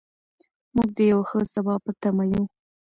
موږ د یو ښه سبا په تمه یو.